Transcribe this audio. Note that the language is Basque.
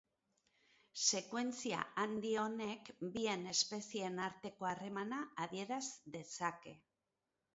Sekuentzia handi honek bien espezieen arteko harremana adieraz dezake.